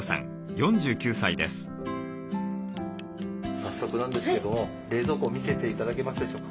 早速なんですけども冷蔵庫を見せて頂けますでしょうか？